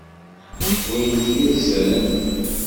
Wwin-k yid-sen?